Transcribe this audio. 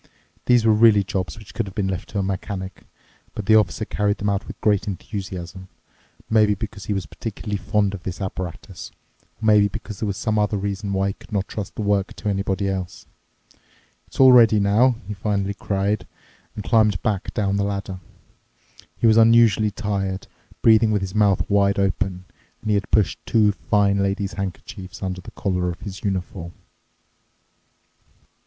These were really jobs which could have been left to a mechanic, but the Officer carried them out with great enthusiasm, maybe because he was particularly fond of this apparatus or maybe because there was some other reason why one could not trust the work to anyone else. "It's all ready now!" he finally cried and climbed back down the ladder. He was unusually tired, breathing with his mouth wide open, and he had pushed two fine lady's handkerchiefs under the collar of his uniform.